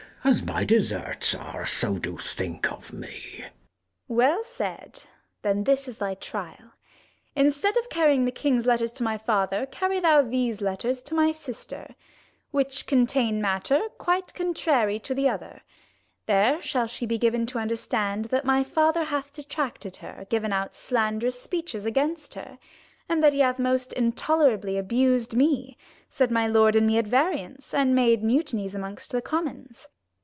As my deserts are, so do think of me. 8 5 Gon. Well said, then this is thy trial : instead of carrying the king's letters to my father, carry thou these letters to my sister, which contain matter quite contrary to the other : there shall she be given to understand, that my father hath detracted her, given out slanderous speeches against her ; and that he hath most intolerably abused me, set my lord and me at variance, and made mutinies amongst the commons.